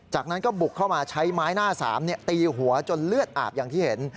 จากนั้นก็บุกเข้ามาใช้ไม้หน้าสามตีหัวจนเลือดอาบอย่างที่เห็น